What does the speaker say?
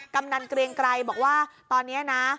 กำนันเกรียงไกรบอกว่าตอนนี้นะ